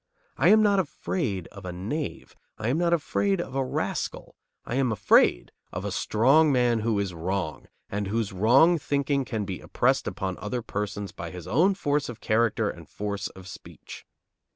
I am not afraid of a knave. I am not afraid of a rascal. I am afraid of a strong man who is wrong, and whose wrong thinking can be impressed upon other persons by his own force of character and force of speech.